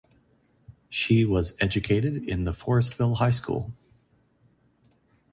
She was educated in the Forestville High School.